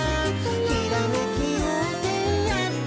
「ひらめきようせいやってくる」